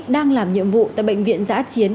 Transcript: đang làm nhiệm vụ tại bệnh viện giã chiến